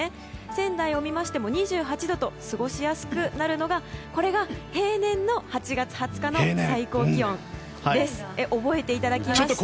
仙台を見ましても２８度と過ごしやすくなるのがこれが、平年の８月２０日の最高気温です覚えていただきまして。